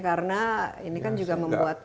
karena ini kan juga membuat